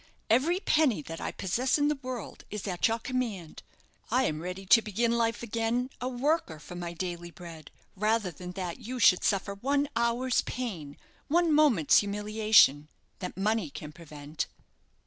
"Every penny that I possess in the world is at your command. I am ready to begin life again, a worker for my daily bread, rather than that you should suffer one hour's pain, one moment's humiliation, that money can prevent."